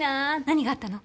何があったの？